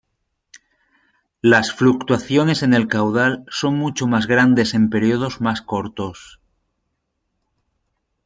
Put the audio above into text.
Las fluctuaciones en el caudal son mucho más grandes en períodos más cortos.